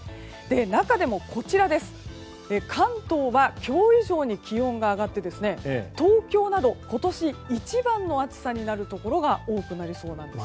中でも、関東は今日以上に気温が上がって東京など今年一番の暑さになるところが多くなりそうなんです。